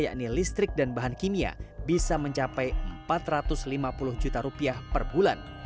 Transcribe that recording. yakni listrik dan bahan kimia bisa mencapai empat ratus lima puluh juta rupiah per bulan